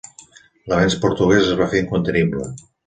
L'avenç portuguès es va fer incontenible.